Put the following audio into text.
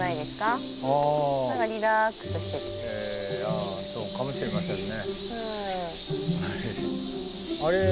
あそうかもしれませんね。